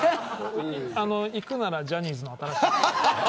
行くならジャニーズの新しい会社。